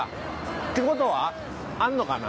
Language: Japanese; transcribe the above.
って事はあるのかな？